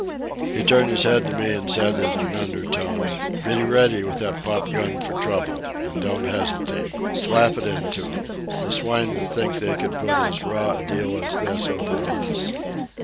He turned his head to me and said in an undertone, "Be ready with that pop gun for trouble. An' don't hesitate. Slap it into 'em—the swine that think they can put as raw a deal as this over on us."